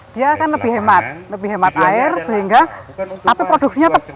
dia akan lebih hemat lebih hemat air sehingga tapi produksinya tetap